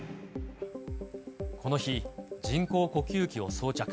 この日、人工呼吸器を装着。